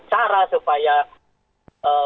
cara supaya ee